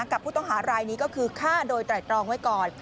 กับผู้ต้องหารายนี้ก็คือฆ่าโดยไตรตรองไว้ก่อน